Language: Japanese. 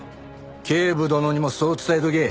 警部殿にもそう伝えておけ！